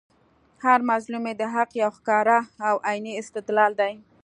هر مظلوم ئې د حق یو ښکاره او عیني استدلال دئ